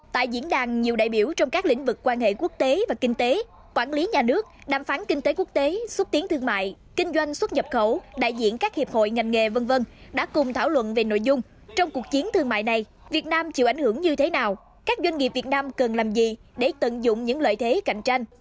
tại diễn đàn nhiều đại biểu trong các lĩnh vực quan hệ quốc tế và kinh tế quản lý nhà nước đàm phán kinh tế quốc tế xúc tiến thương mại kinh doanh xuất nhập khẩu đại diện các hiệp hội ngành nghề v v đã cùng thảo luận về nội dung trong cuộc chiến thương mại này việt nam chịu ảnh hưởng như thế nào các doanh nghiệp việt nam cần làm gì để tận dụng những lợi thế cạnh tranh